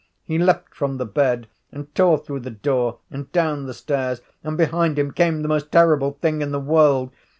He leaped from the bed and tore through the door and down the stairs, and behind him came the most terrible thing in the world.